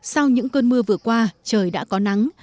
sau những cơn mưa vừa qua trời đã có nắng